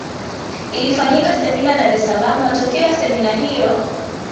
ilifanyika semina Dar es Salaam Matokeo ya semina hiyo